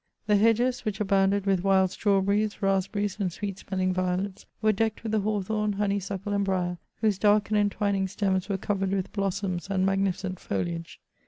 The hedges, which abounded with wild strawberries, raspberries and sweet smelling violets, were decked with the hawthorn, honeysuckle and briar, whose dark and entwining stems were covered with blossoms and magnifi cent foliage.